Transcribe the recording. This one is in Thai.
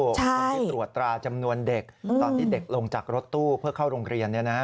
คนที่ตรวจตราจำนวนเด็กตอนที่เด็กลงจากรถตู้เพื่อเข้าโรงเรียน